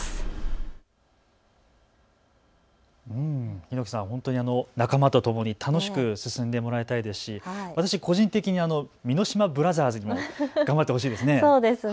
檜さん、本当に仲間とともに楽しく進んでもらいたいですし私個人的に美濃島ブラザーズにも頑張ってほしいですね。